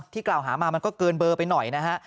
กล่าวหามามันก็เกินเบอร์ไปหน่อยนะฮะ